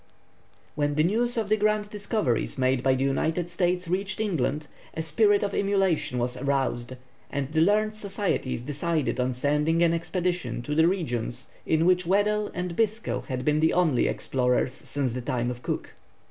When the news of the grand discoveries made by the United States reached England, a spirit of emulation was aroused, and the learned societies decided on sending an expedition to the regions in which Weddell and Biscoe had been the only explorers since the time of Cook.